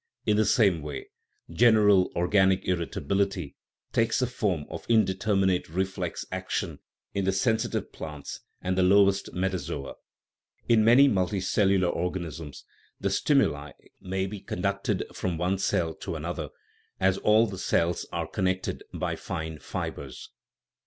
In the same way, general organic irritability takes the form of indeterminate reflex action in the sensitive plants and the lowest metazoa ; in many multicellular organisms the stimuli may be conducted from one cell to another, as all the cells are connected by fine fibres.